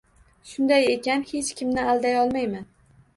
Shunday ekan, hech kimni alday olmayman.